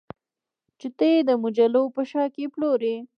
چې ته یې د مجلو په شا کې پلورې